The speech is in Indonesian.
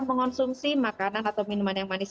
mengonsumsi makanan atau minuman yang manis